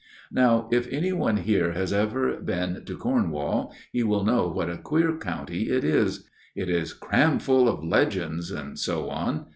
" Now if any one here has ever been to Corn wall, he will know what a queer county it is. It is cram full of legends and so on.